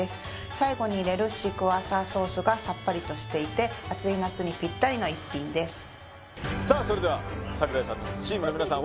最後に入れるシークワーサーソースがさっぱりとしていてな一品ですさあそれでは櫻井さんのチームの皆さん